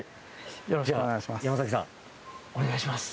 よろしくお願いします